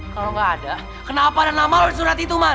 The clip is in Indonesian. kalau ga ada kenapa ada nama lo di surat itu man